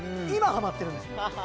今はまってるんです。